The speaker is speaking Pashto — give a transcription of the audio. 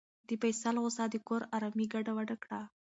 د فیصل غوسه د کور ارامي ګډوډه کړه.